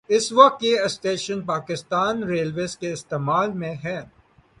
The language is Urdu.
اس وقت یہ اسٹیشن پاکستان ریلویز کے استعمال میں ہے